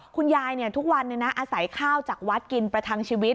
คุณยายทุกวันอาศัยข้าวจากวัดกินประทังชีวิต